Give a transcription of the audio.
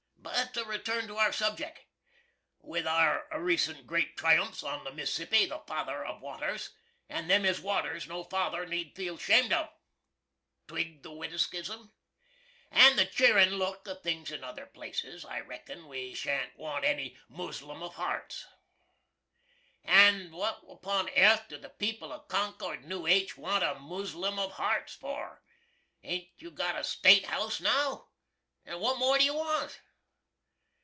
But to return to our subjeck. With our resunt grate triumps on the Mississippi, the Father of Waters (and them is waters no Father need feel 'shamed of twig the wittikism?) and the cheerin' look of things in other places, I reckon we shan't want any Muslum of Harts. And what upon airth do the people of Concord, N.H., want a Muslum of Harts for? Hain't you got the State House now? & what more do you want?